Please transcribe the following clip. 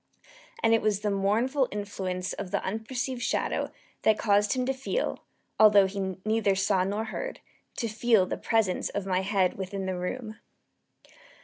And it was the mournful influence of the unperceived shadow that caused him to feel although he neither saw nor heard to feel the presence of my head within the room.